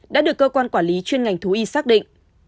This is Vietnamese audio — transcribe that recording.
đã được cơ quan quản lý chuyên ngành thú y xác định